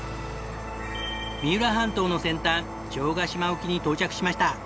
三浦半島の先端城ヶ島沖に到着しました。